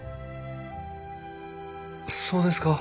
そうですか。